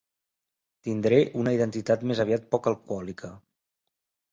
Tindré una identitat més aviat poc alcohòlica.